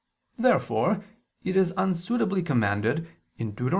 Therefore it is unsuitably commanded (Deut.